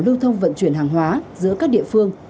lưu thông vận chuyển hàng hóa giữa các địa phương